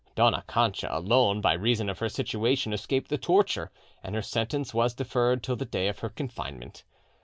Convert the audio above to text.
Dona Cancha alone, by reason of her situation, escaped the torture, and her sentence was deferred till the day of her confinement.